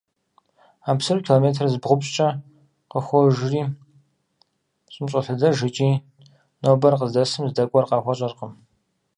А псыр километр зыбгъупщӀкӀэ къожэхри, щӀым щӀолъэдэж икӏи нобэр къыздэсым здэкӀуэр къахуэщӀэркъым.